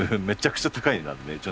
めちゃくちゃ高い値段で。